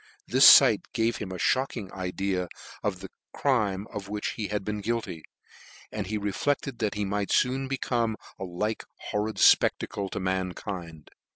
The fight gave him a (hocking idea of the crime of which he had been guilty, and he reflected that he might foon become a like horrid fpcc^acle to mankind.